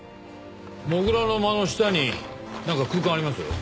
土竜の間の下に何か空間ありますよ。